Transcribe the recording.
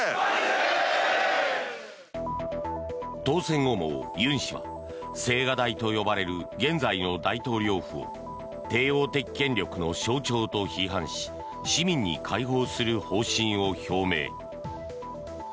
当選後も尹氏は青瓦台と呼ばれる現在の大統領府を帝王的権力の象徴と批判し市民に開放する方針を表明。